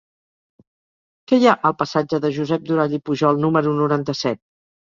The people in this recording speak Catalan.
Què hi ha al passatge de Josep Durall i Pujol número noranta-set?